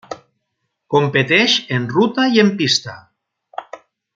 Competeix en ruta i en pista.